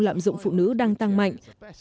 lạm dụng phụ nữ đang tăng mạnh